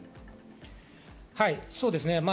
そうですね。